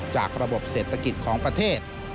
จากระบบเศรษฐกิจของประเทศ